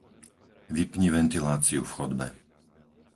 Vypni ventiláciu v chodbe.